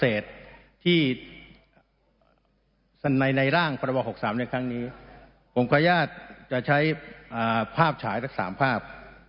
เชษที่ในร่างประวาคกรภาค๓ในครั้งนี้ของผมขรรยายจะใช้งานภาพสามารถ๓ภาพ